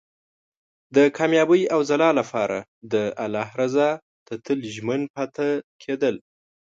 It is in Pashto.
د کامیابۍ او ځلا لپاره د الله رضا ته تل ژمن پاتې کېدل.